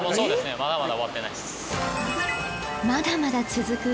まだまだ終わってないです。